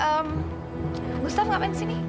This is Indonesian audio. tapi gustaf ngapain disini